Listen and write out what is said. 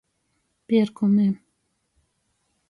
Pierkumi.